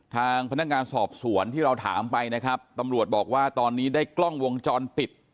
ทางพนักงานสอบสวนที่เราถามไปนะครับตำรวจบอกว่าตอนนี้ได้กล้องวงจรปิด